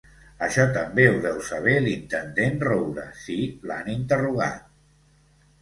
Això també ho deu saber l'intendent Roure, si l'han interrogat.